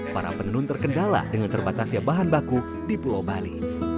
para penenun terkendala dengan terbatasnya bahan baku di pulau bali